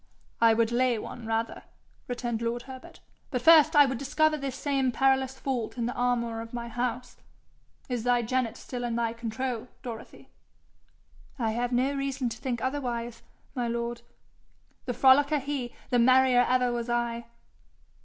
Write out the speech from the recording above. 'I would lay one rather,' returned lord Herbert. 'But first I would discover this same perilous fault in the armour of my house. Is thy genet still in thy control, Dorothy?' 'I have no reason to think otherwise, my lord. The frolicker he, the merrier ever was I.'